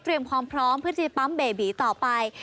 เตรียมความพร้อมเพื่อที่จะปั๊มเบบีต่อไป